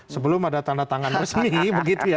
sebelum ada tanda tangan resmi